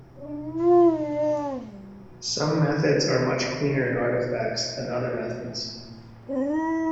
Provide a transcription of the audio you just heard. Some methods are much cleaner in artifacts than other methods.